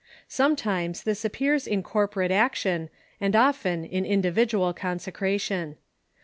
Some times this appears in corporate action, and often in individual consecration.